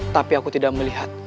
tapi aku tidak melihat